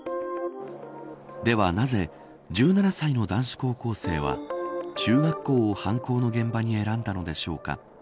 では、なぜ１７歳の男子高校生は中学校を犯行の現場に選んだのでしょうか。